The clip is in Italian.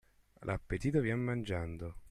L'appetito vien mangiando.